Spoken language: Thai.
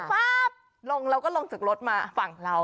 ป๊าบลงเราก็ลงจากรถมาฝั่งเรา